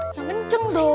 jangan kenceng dong